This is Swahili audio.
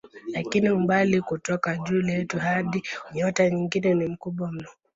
Lakini umbali kutoka jua letu hadi nyota nyingine ni mkubwa mno.